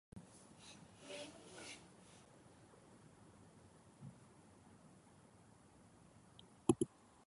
Далей гісторыя таксама не менш цікавая.